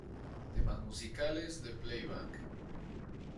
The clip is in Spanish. Temas musicales de Playback